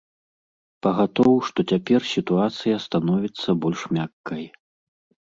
Пагатоў, што цяпер сітуацыя становіцца больш мяккай.